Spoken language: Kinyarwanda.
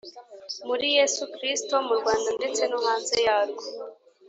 Muri yesu kristo mu rwanda ndetse nohanze yarwo